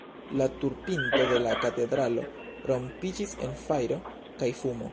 La tur-pinto de la katedralo rompiĝis en fajro kaj fumo.